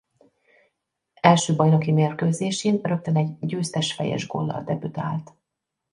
Első bajnoki mérkőzésén rögtön egy győztes fejes góllal debütált.